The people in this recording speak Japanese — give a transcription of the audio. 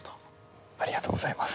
ありがとうございます。